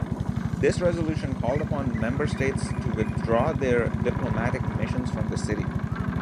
This resolution called upon member states to withdraw their diplomatic missions from the city.